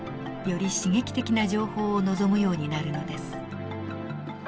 より刺激的な情報を望むようになるのです。